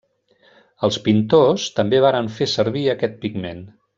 Els pintors també varen fer servir aquest pigment.